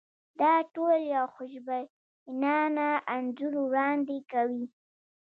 دا ټول یو خوشبینانه انځور وړاندې کوي.